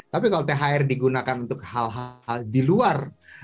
tapi kalau thr digunakan untuk hal hal di luar